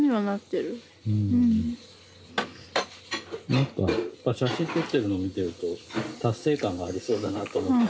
何か写真撮ってるのを見てると達成感がありそうだなと思って。